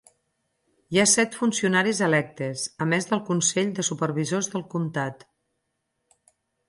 Hi ha set funcionaris electes, a més del Consell de Supervisors del Comtat.